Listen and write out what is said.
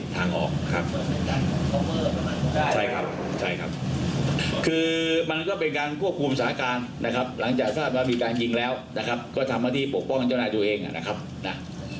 ทางออกครับใช่ครับใช่ครับคือมันก็เป็นการควบคุมสถานการณ์นะครับหลังจากทราบว่ามีการยิงแล้วนะครับก็ทำหน้าที่ปกป้องเจ้าหน้าที่ตัวเองนะครับนะ